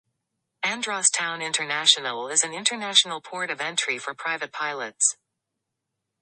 Andros Town International is an international port of entry for private pilots.